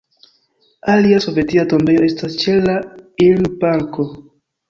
Alia sovetia tombejo estas ĉe la Ilm-parko.